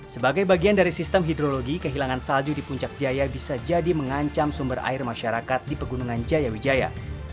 sebagai bagian dari sistem hidrologi kehilangan salju di puncak jaya bisa jadi mengancam sumber air masyarakat di pegunungan jaya wijaya